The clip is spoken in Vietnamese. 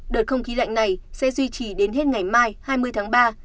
đợt không khí lạnh này sẽ duy trì đến hết ngày mai hai mươi tháng ba